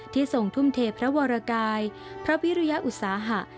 ทรงทุ่มเทพระวรกายพระพิรุยอุตสาหะ